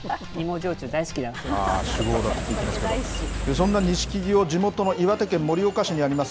そんな錦木を地元の岩手県盛岡市にあります